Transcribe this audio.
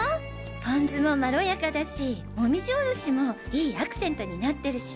ポン酢もまろやかだしもみじおろしもいいアクセントになってるし。